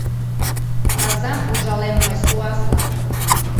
Казам ужалем мый суаслан.